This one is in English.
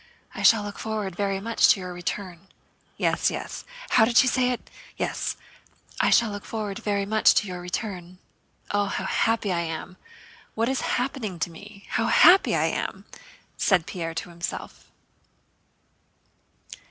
"'I shall look forward very much to your return....' Yes, yes, how did she say it? Yes, 'I shall look forward very much to your return.' Oh, how happy I am! What is happening to me? How happy I am!" said Pierre to himself.